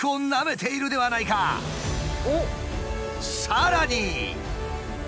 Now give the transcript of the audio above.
さらに。